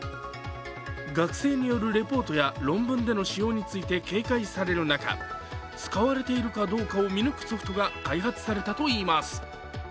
学生によるレポートや論文での使用について警戒される中使われているかどうかを見抜くソフトが開発されたといいます。